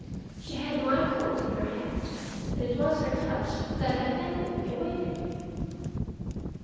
She had my coat in her hand, and it was her touch that had evidently awakened me.